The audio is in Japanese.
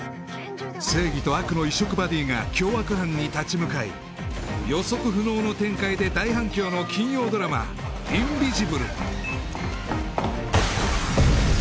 正義と悪の異色バディが凶悪犯に立ち向かい予測不能の展開で大反響の金曜ドラマ「インビジブル」